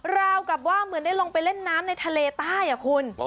ราวกับว่าเหมือนได้ลงไปเล่นน้ำในทะเลใต้อ่ะคุณ